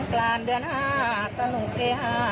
ขอไล้เซ็นเลย